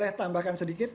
boleh tambahkan sedikit